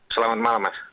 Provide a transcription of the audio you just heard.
selamat malam mas